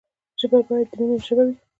ژبه باید د ميني ژبه وي.